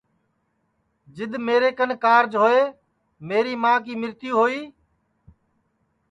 جِدؔ میرے کن کاررج ہوئے میری ماں کی مرتیو ہوئی